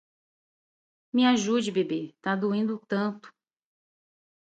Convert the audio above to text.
Me ajuda bebê, tá doendo tanto